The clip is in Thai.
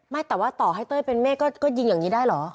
ไม่แต่ว่าต่อให้เต้ยเป็นเมฆก็ยิงอย่างนี้ได้เหรอ